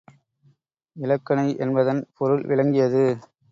இலக்கணை என்பதன் பொருள் விளங்கியது.